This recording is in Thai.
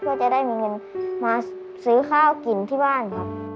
เพื่อจะได้มีเงินมาซื้อข้าวกินที่บ้านครับ